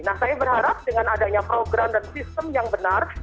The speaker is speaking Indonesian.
nah saya berharap dengan adanya program dan sistem yang benar